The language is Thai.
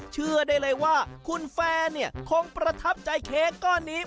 เชื่อได้เลยว่าคุณแฟนเนี่ยคงประทับใจเค้กก้อนนี้